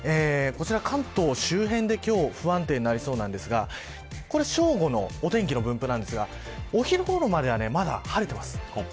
こちらは関東周辺で不安定になりそうですが正午のお天気の分布ですがお昼ごろまではまだ晴れています。